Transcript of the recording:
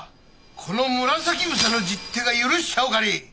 この紫房の十手が許しちゃおかねえ。